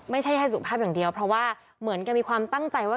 ไม่ใช่แค่สุภาพอย่างเดียวเพราะว่าเหมือนแกมีความตั้งใจว่า